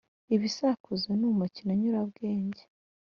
Ibisakuzo ni umukino nyurabwenge.